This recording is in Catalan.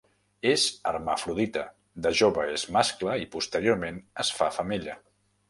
És hermafrodita, de jove és mascle i posteriorment es fa femella.